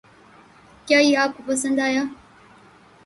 کیا یہ آپ کو پَسند آیا؟